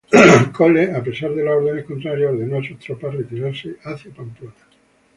Cole, a pesar de las órdenes contrarias, ordenó a sus tropas retirarse hacia Pamplona.